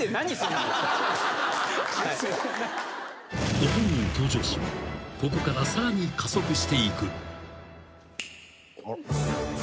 ［ご本人登場史はここからさらに加速していく］